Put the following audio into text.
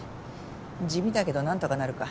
地味だけど何とかなるか。